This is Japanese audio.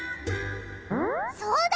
そうだ！